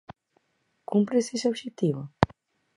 ¿Cúmprese ese obxectivo?